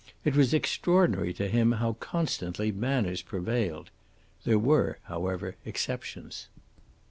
It was extraordinary to him how constantly manners prevailed. There were, however, exceptions.